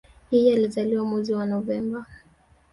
Yeye alizaliwa mwezi wa Novemba